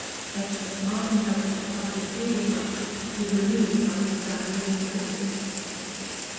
Esther, smarting helplessly under the previous lashes, was relieved by this diversion of criticism.